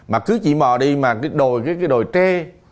mà cứ chỉ mò đi mà cái đồi trê